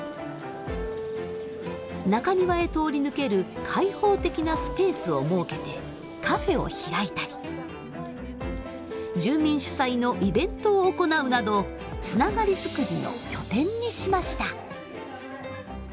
中庭へ通り抜ける開放的なスペースを設けてカフェを開いたり住民主催のイベントを行うなどつながり作りの拠点にしました。